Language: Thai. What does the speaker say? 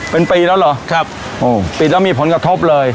เป็นปีแล้วเหรอครับโอ้ปิดแล้วมีผลกระทบเลย